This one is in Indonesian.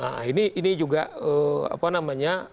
nah ini ini juga eeem apa namanya